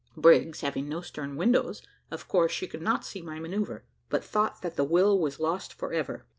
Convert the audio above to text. Brigs having no stern windows, of course she could not see my manoeuvre, but thought that the will was lost for ever.